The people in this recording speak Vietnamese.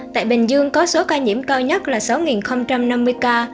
tại bình dương có số ca nhiễm cao nhất là sáu năm mươi ca